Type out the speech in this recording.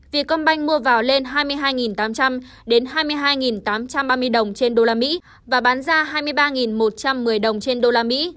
vietcombank mua vào lên hai mươi hai tám trăm linh đến hai mươi hai tám trăm ba mươi đồng trên đô la mỹ và bán ra hai mươi ba một trăm một mươi đồng trên đô la mỹ